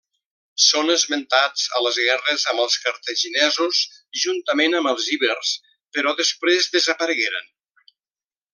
Són esmentats a les guerres amb els cartaginesos juntament amb els ibers, però després desaparegueren.